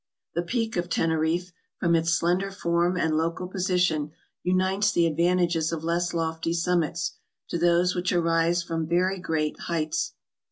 The Peak of Teneriffe, from its slender form and local position, unites the advantages of less lofty summits, to those which arise from very great heights.